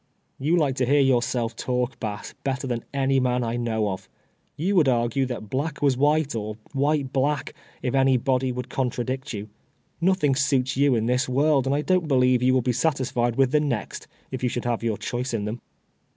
" You like to hear yourself talk, Bass, better than any man I know ot'. You would argue that black was COXVEKSATION WITH BASS. 269 wliite, or "white black, if any l)ocly would contradict Ton. Nothing suits you in this world, and I don'1 believe von will be satisfied with the next, if you should have your choice in them."